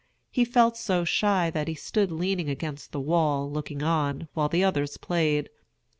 He felt so shy that he stood leaning against the wall, looking on, while the others played.